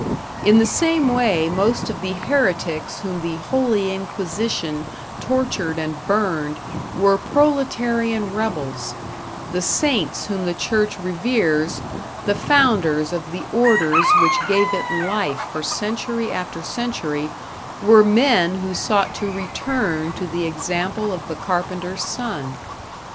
In the same way, most of the heretics whom the Holy Inquisition tortured and burned were proletarian rebels; the saints whom the Church reveres, the founders of the orders which gave it life for century after century, were men who sought to return to the example of the carpenter's son.